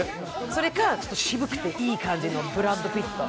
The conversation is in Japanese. それか、渋くていい感じのブラッド・ピット。